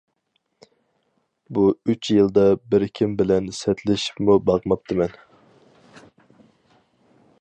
بۇ ئۈچ يىلدا بىركىم بىلەن سەتلىشىپمۇ باقماپتىمەن.